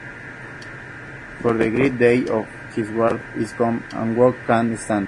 For the great day of his wrath is come, and who can stand?